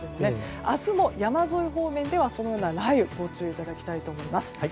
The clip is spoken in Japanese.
明日も山沿い方面ではそのような雷雨にご注意いただきたいと思います。